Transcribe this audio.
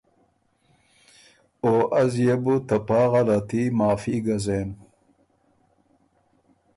او از يې بو خه ته پا غلطي معافی ګه زېم۔